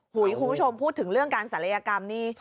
คุณผู้ชมพูดถึงเรื่องการศัลยกรรมนี่